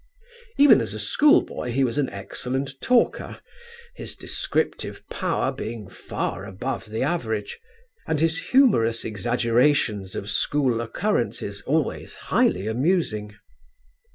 "Even as a schoolboy he was an excellent talker: his descriptive power being far above the average, and his humorous exaggerations of school occurrences always highly amusing.